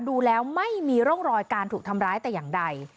ดูแล้วไม่มีร่องรอยการถูกทำร้ายแต่อย่างใด